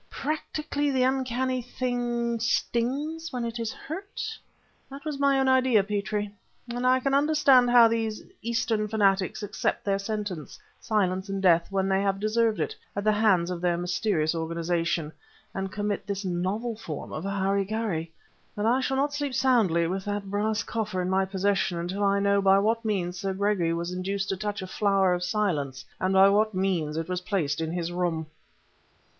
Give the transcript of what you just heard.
Practically the uncanny thing stings when it is hurt? That is my own idea, Petrie. And I can understand how these Eastern fanatics accept their sentence silence and death when they have deserved it, at the hands of their mysterious organization, and commit this novel form of hara kiri. But I shall not sleep soundly with that brass coffer in my possession until I know by what means Sir Gregory was induced to touch a Flower of Silence, and by what means it was placed in his room!"